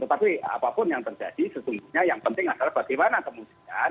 tetapi apapun yang terjadi sesungguhnya yang penting adalah bagaimana kemudian